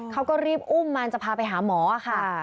เขาก็รีบอุ้มมันจะพาไปหาหมอค่ะ